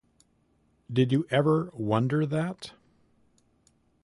Did you ever wonder that?